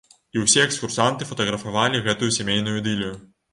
І ўсе экскурсанты фатаграфавалі гэтую сямейную ідылію.